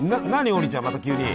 王林ちゃんまた急に。